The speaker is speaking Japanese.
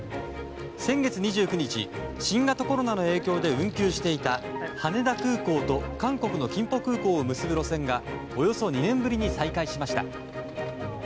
先月２９日、新型コロナの影響で運休していた羽田空港と、韓国のキンポ空港を結ぶ路線がおよそ２年ぶりに再開しました。